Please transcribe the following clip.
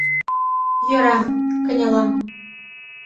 Йӧра, кынелам.